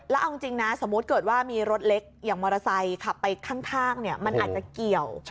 แล้วเอาจริงนะสมมุติเกิดว่ามีรถเล็กอย่างมอเตอร์ไซค์ขับไปข้างมันอาจจะเกี่ยว